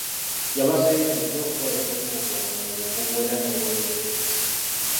Yabasabye bulijjo okukola omulimu gwabwe mu bukugu era n'obwegendereza.